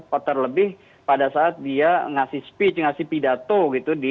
terlebih pada saat dia ngasih speech ngasih pidato gitu